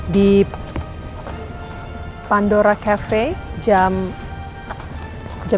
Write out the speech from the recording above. di pandora cafe jam dua belas gimana